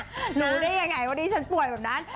รู้ได้ยังไงว่าดิฉันป่วยแบบนั้น